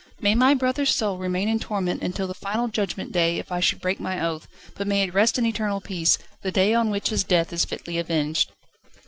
May my brother's soul remain in torment until the final Judgment Day if I should break my oath, but may it rest in eternal peace, the day on which his death is fitly avenged."